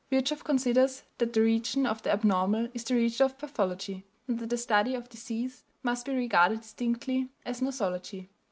Virchow considers that the region of the abnormal is the region of pathology, and that the study of disease must be regarded distinctly as nosology.